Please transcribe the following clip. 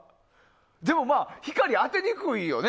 でも、光を当てにくいよね。